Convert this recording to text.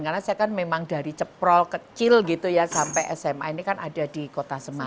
karena saya kan memang dari ceprol kecil gitu ya sampai sma ini kan ada di kota semarang